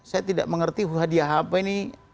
saya tidak mengerti hadiah apa ini